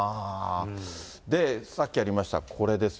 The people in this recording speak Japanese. で、さっきありました、これです